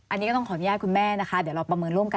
อันนี้ก็ต้องขออนุญาตคุณแม่นะคะ